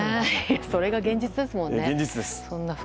それが現実ですものね。